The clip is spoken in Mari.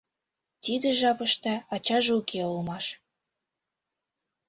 Тиде жапыште ачаже уке улмаш.